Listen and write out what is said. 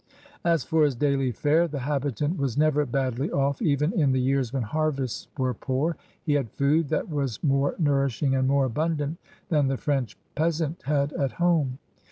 As for his daily fare, the habitant was never badly off even in the years when harvests were poor. He had food that was more nourishing and more abundant than the French peasant had at home.